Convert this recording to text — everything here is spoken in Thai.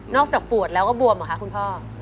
จากปวดแล้วก็บวมเหรอคะคุณพ่อ